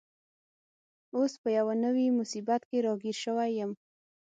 اوس په یوه نوي مصیبت کي راګیر شوی یم.